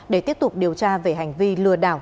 để tiếp tục điều tra về hành vi lừa đảo